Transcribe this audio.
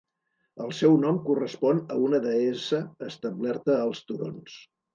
El seu nom correspon a una deessa establerta als turons.